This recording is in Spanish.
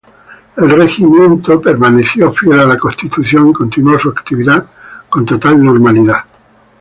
El regimiento permaneció fiel a la Constitución y continuó su actividad con total normalidad.